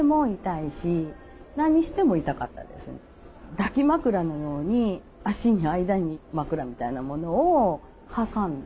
抱き枕のように脚の間に枕みたいなものを挟んだ。